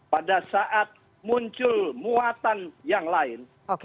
pada saat muncul muatan yang lain